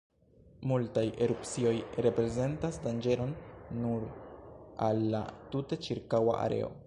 Multaj erupcioj reprezentas danĝeron nur al la tute ĉirkaŭa areo.